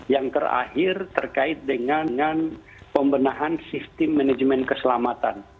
yang terakhir terkait dengan pembenahan sistem manajemen keselamatan